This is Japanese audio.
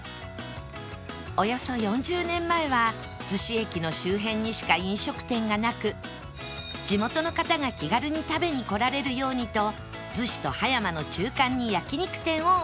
およそ４０年前は子駅の周辺にしか飲食店がなく地元の方が気軽に食べに来られるようにと子と葉山の中間に焼肉店をオープン